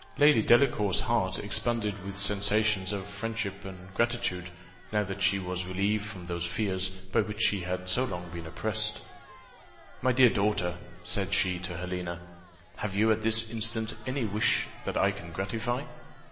Lady Delacour's heart expanded with the sensations of friendship and gratitude, now that she was relieved from those fears by which she had so long been oppressed. "My dear daughter," said she to Helena, "have you at this instant any wish that I can gratify?